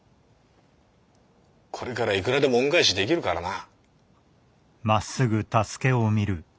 これからいくらでも恩返しできるからな。